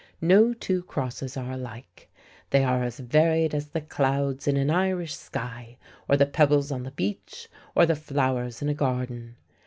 No two crosses are alike; they are as varied as the clouds in an Irish sky or the pebbles on the beach or the flowers in a garden.